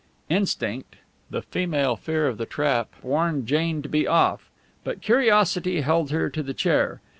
Instinct the female fear of the trap warned Jane to be off, but curiosity held her to the chair.